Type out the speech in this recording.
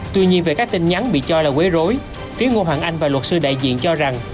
tuy nhiên về các tin nhắn bị cho là quế rối phía ngô hoàng anh và luật sư đại diện cho rằng